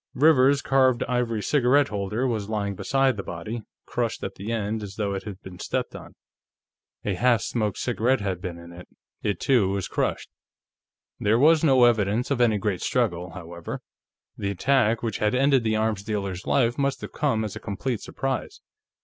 Rivers's carved ivory cigarette holder was lying beside the body, crushed at the end as though it had been stepped on. A half smoked cigarette had been in it; it, too, was crushed. There was no evidence of any great struggle, however; the attack which had ended the arms dealer's life must have come as a complete surprise.